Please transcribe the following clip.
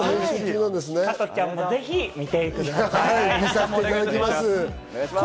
カトちゃんもぜひ見てください。